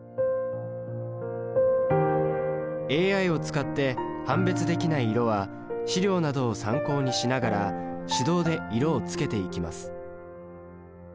ＡＩを使って判別できない色は資料などを参考にしながら手動で色をつけていきます。